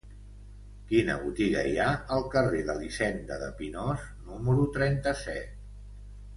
Quina botiga hi ha al carrer d'Elisenda de Pinós número trenta-set?